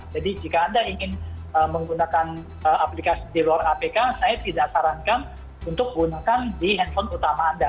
jadi jika anda ingin menggunakan aplikasi di luar apk saya tidak sarankan untuk gunakan di handphone utama anda